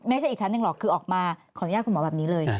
ไม่ใช่อีกชั้นหนึ่งหรอกคือออกมาขออนุญาตคุณหมอแบบนี้เลย